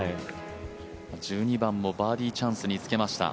１２番もバーディーチャンスにつけました。